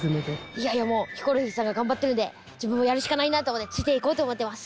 いやいやもうヒコロヒーさんが頑張っているので自分もやるしかないなと思ってついていこうと思ってます。